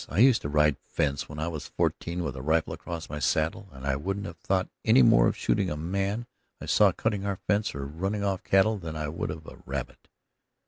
I used to ride fence when I was fourteen, with a rifle across my saddle, and I wouldn't have thought any more of shooting a man I saw cutting our fence or running off our cattle than I would a rabbit."